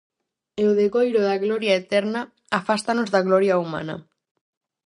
E o degoiro da gloria eterna afástanos da gloria humana.